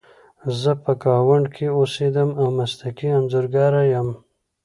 زه په ګاونډ کې اوسیدم او مسلکي انځورګره یم